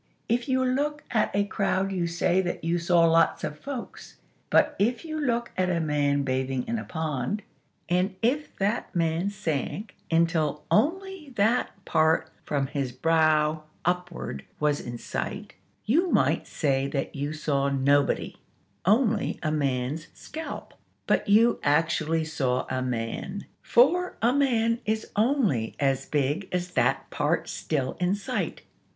If you look at a crowd you say that you saw lots of folks: but if you look at a man bathing in a pond; and if that man sank until only that part from his brow upward was in sight, you might say that you saw nobody; only a man's scalp. But you actually saw a man, for a man is only as big as that part still in sight.